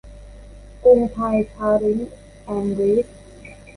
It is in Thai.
กรุงไทยคาร์เร้นท์ แอนด์ ลีส